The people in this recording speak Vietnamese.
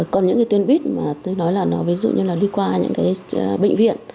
còn những cái tuyến buýt mà tôi nói là nó ví dụ như là đi qua những cái bệnh viện